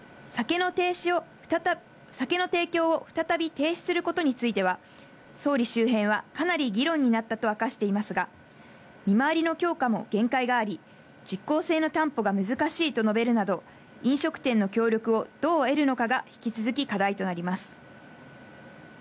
酒の提供を再び停止することについては、総理周辺はかなり議論になったと明かしていますが、見回りの強化も限界があり、実効性の担保が難しいと述べるなど飲食店の協力をどう得るのかが引き続き課題となります。